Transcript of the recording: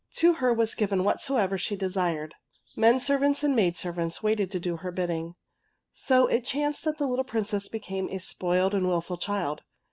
To her was given whatso ever she desired. Men servants and maid servants waited to do her bidding. So it chanced that the little Princess became a spoiled and wilful child.